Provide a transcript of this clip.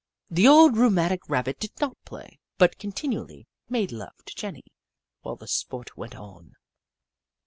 The old rheumatic Rabbit did not play, but continually made love to Jenny while the sport went on.